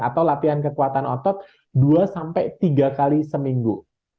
atau latihan kekuatan otot dua sampai tiga kali seminggu